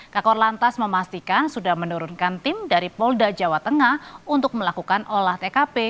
kakor lantas memastikan sudah menurunkan tim dari polda jawa tengah untuk melakukan olah tkp